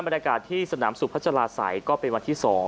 บรรยากาศที่สนามสุพัชลาศัยก็เป็นวันที่๒